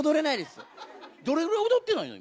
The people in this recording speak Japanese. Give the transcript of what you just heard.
どれぐらい踊ってないの？